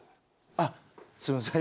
あっすいません。